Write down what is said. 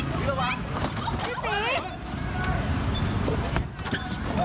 เฮ้ยเฮ้ยนั่งนี้นะ